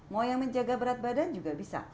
mau yang menjaga berat badan juga bisa